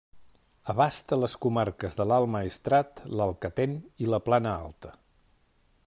Abasta les comarques de l'Alt Maestrat, l'Alcalatén i la Plana Alta.